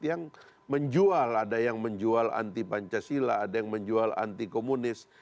yang menjual ada yang menjual anti pancasila ada yang menjual anti komunis